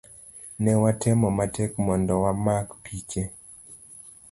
Ne watemo matek mondo wamak piche